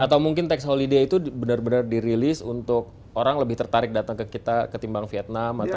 atau mungkin tax holiday itu benar benar dirilis untuk orang lebih tertarik datang ke kita ketimbang vietnam atau